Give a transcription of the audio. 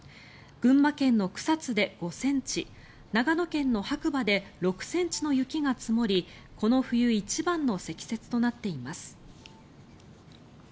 群馬県の草津で５ｃｍ長野県の白馬で６ｃｍの雪が積もりこの冬一番の積雪となっています。